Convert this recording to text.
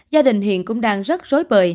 gia đình hiện cũng đang rất rối bời